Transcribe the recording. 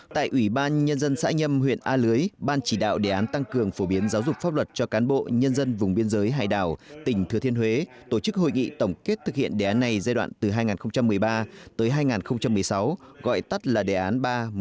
tại ủy ban nhân dân xã nhâm huyện a lưới ban chỉ đạo đề án tăng cường phổ biến giáo dục pháp luật cho cán bộ nhân dân vùng biên giới hải đảo tỉnh thừa thiên huế tổ chức hội nghị tổng kết thực hiện đề án này giai đoạn từ hai nghìn một mươi ba tới hai nghìn một mươi sáu gọi tắt là đề án ba một nghìn chín trăm bảy